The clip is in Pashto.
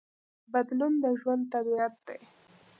بدلون د ژوند طبیعت دی.